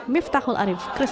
miftahul arif kresik